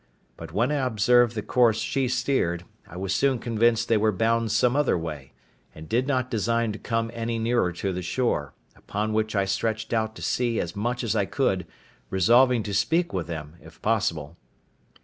But, when I observed the course she steered, I was soon convinced they were bound some other way, and did not design to come any nearer to the shore; upon which I stretched out to sea as much as I could, resolving to speak with them if possible.